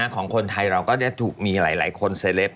ของคนไทยเราก็ได้ถูกมีหลายคนเซลป